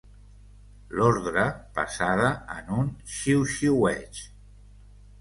L'ordre, passada en un xiuxiueig